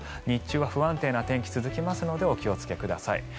日中は不安定な天気が続きますのでお気をつけください。